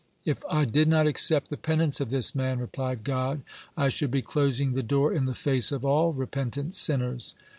"If I did not accept the penance of this man," replied God, "I should be closing the door in the face of all repentant sinners."